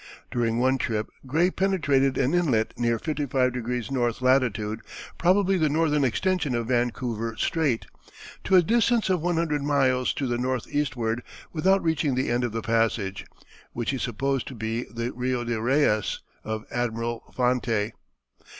During one trip Gray penetrated an inlet near 55° N. latitude, probably the northern extension of Vancouver Strait, to a distance of one hundred miles to the northeastward without reaching the end of the passage, which he supposed to be the Rio de Reyes of Admiral Fonte.